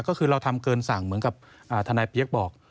ก็คือเราทำเกินสั่งเหมือนกับทนายเปี๊ยกบอก